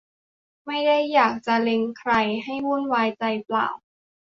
ไม่ได้อยากจะเล็งใครให้วุ่นวายใจเปล่า